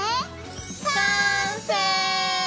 完成！